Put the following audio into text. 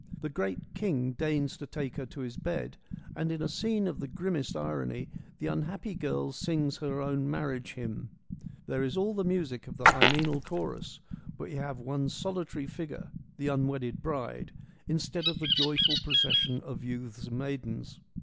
The great king deigns to take her to his bed, and in a scene of the grimmest irony the unhappy girl sings her own marriage hymn. There is all the music of the hymeneal chorus, but we have one solitary figure — the unwedded bride — instead of the joyful procession of youths and maidens.